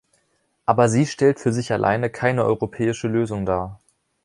Aber sie stellt für sich alleine keine europäische Lösung dar.